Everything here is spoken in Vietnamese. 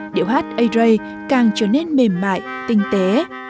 điệu hát ây rây càng trở nên mềm mại tinh tế